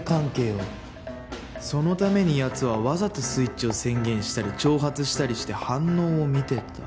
そのために奴はわざとスイッチを宣言したり挑発したりして反応を見てた。